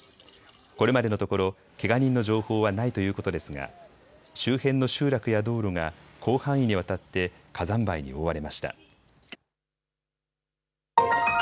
これまでのところけが人の情報はないということですが周辺の集落や道路が広範囲にわたって火山灰に覆われました。